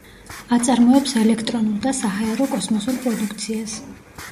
აწარმოებს ელექტრონულ და საჰაერო კოსმოსურ პროდუქციას.